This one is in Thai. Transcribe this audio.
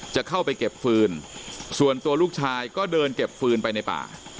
จะเข้าไปเก็บฟืนส่วนตัวลูกชายก็เดินเก็บฟืนไปในป่า